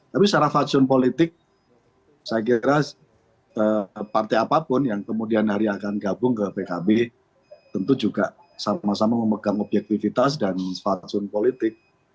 karena faksun politik saya kira partai apapun yang kemudian nari akan gabung ke pkb tentu juga sama sama memegang objektivitas dan faksun politik